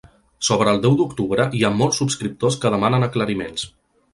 Sobre el deu d’octubre hi ha molts subscriptors que demanen aclariments.